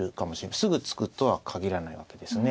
すぐ突くとは限らないわけですね。